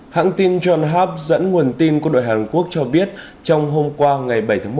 hãng tin john hab dẫn nguồn tin quân đội hàn quốc cho biết trong hôm qua ngày bảy tháng một